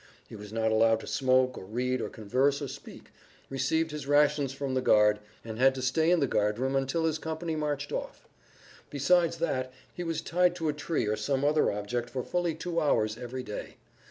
He was not allowed to smoke or read or [Pg 37]converse or speak, received his rations from the guard, and had to stay in the guard room until his company marched off. Besides that he was tied to a tree or some other object for fully two hours every day.